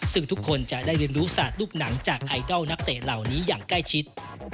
ซึ่งทุกคนจะได้เรียนรู้ศาสตร์ลูกหนังจากไอดอลนักเตะเหล่านี้อย่างใกล้ชิด